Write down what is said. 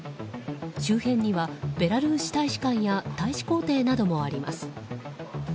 周辺にはベラルーシ大使館や大使公邸などもあります。